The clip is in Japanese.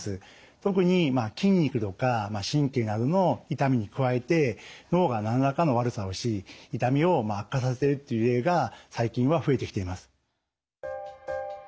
特に筋肉とか神経などの痛みに加えて脳が何らかの悪さをし痛みを悪化させるっていう例が最近は増えてきています。